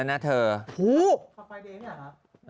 ภายใดเนี่ยครับ